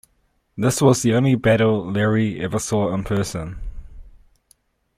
This was the only battle Leahy ever saw in person.